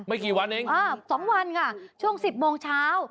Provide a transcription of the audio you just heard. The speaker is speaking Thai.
กี่วันเองอ่า๒วันค่ะช่วง๑๐โมงเช้า